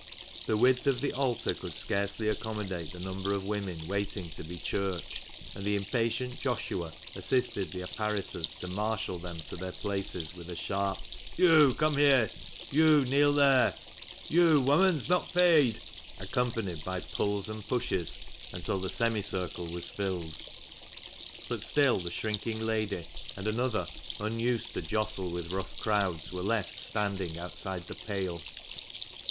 The width of the altar could scarcely accommodate the number of women waiting to be churched ; and the impatient Joshua assisted the apparitors to marshal them to their places, with a sharp " You come here ! You kneel there 1 Yon woman's not paid !" accompanied by pulls and pushes, until the semi circle was filled. 24 THE MANCHESTER MAN. But still the shrinking lady, and another, unused to jostle with rough crowds, were left standing outside the pale.